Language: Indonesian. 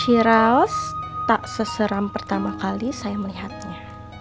viral tak seseram pertama kali saya melihatnya